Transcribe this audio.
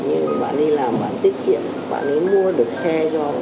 nhưng bạn đi làm bạn tiết kiệm bạn đi mua được xe cho